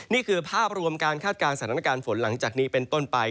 นี่คือภาพรวมการคาดการณ์สถานการณ์ฝนหลังจากนี้เป็นต้นไป